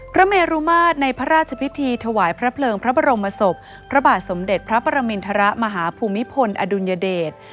เมรุมาตรในพระราชพิธีถวายพระเพลิงพระบรมศพพระบาทสมเด็จพระปรมินทรมาฮภูมิพลอดุลยเดช